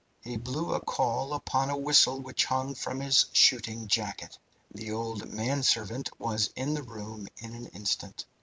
He blew a call upon a whistle which hung from his shooting jacket. The old manservant was in the room in an instant.